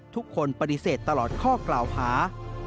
ทุกคนปฏิเสธตลอดข้อกล่าวหา